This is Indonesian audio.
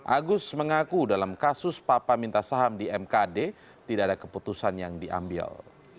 agus mengaku dalam kasus papa minta saham di mkd tidak ada keputusan yang diambil